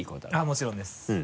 もちろんです。